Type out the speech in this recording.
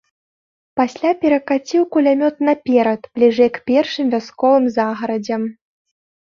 Пасля перакаціў кулямёт наперад, бліжэй к першым вясковым загарадзям.